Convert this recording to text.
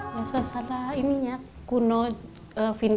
bersama dengan mbah dut mbah dut ini memiliki gaya arsitektur rumah seperti ini